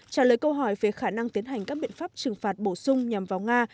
trả lời câu hỏi về khả năng tiến hành các biện pháp trừng phạt bổ sung nhằm vào nga